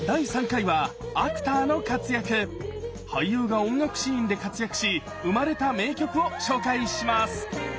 俳優が音楽シーンで活躍し生まれた名曲を紹介します。